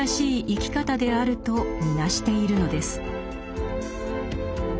生き方であると見なしているのです。